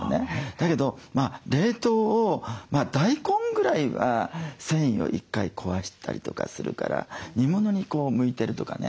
だけど冷凍を大根ぐらいは繊維を１回壊したりとかするから煮物に向いてるとかね